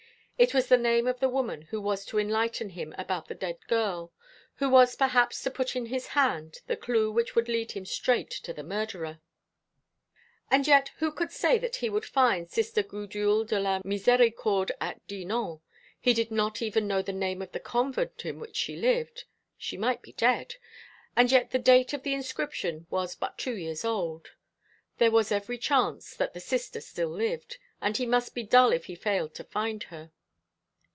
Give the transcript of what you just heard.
It was the name of the woman who was to enlighten him about the dead girl, who was perhaps to put in his hand the clue which would lead him straight to the murderer. And yet who could say that he would find Sister Gudule de la Miséricorde at Dinan? He did not even know the name of the convent in which she lived. She might be dead. And yet the date of the inscription was but two years old. There was every chance that the Sister still lived: and he must be dull if he failed to find her.